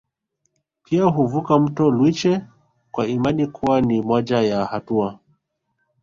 Pia huvuka mto Lwiche kwa imani kuwa ni moja ya hatua